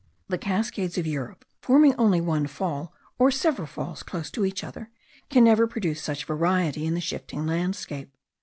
The cascades of Europe, forming only one fall, or several falls close to each other, can never produce such variety in the shifting landscape.